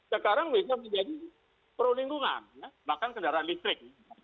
sekarang bisa menjadi pro lingkungan bahkan kendaraan listrik